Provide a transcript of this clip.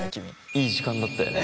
いい時間だったよね。